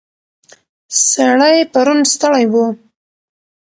سړی پرون ستړی و.